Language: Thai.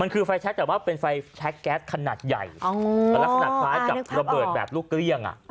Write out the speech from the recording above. คือไฟแชคแต่ว่าเป็นไฟแชคแก๊สขนาดใหญ่ลักษณะคล้ายกับระเบิดแบบลูกเกลี้ยง